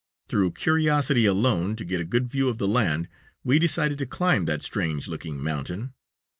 Through curiosity alone, to get a good view of the land, we decided to climb that strange looking mountain.